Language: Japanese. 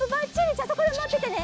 じゃあそこでまっててね。